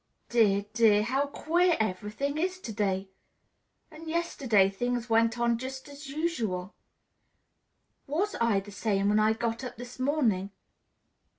"Dear, dear! How queer everything is to day! And yesterday things went on just as usual. Was I the same when I got up this morning?